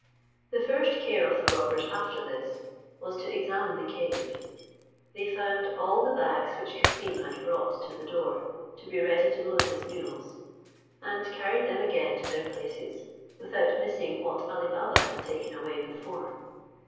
The first care of the robbers after this was to examine the cave. They found all the bags which Cassim had brought to the door, to be ready to load his mules, and carried them again to their places, without missing what Ali Baba had taken away before.